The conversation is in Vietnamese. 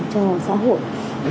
cho xã hội